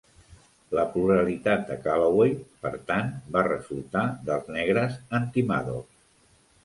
La pluralitat de Callaway, per tant, va resultar dels negres anti-Maddox.